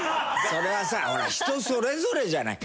それはさほら人それぞれじゃない。